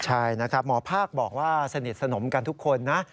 ใช่นะครับหมอภาคบอกว่าสนิทสนมกันทุกคนนะ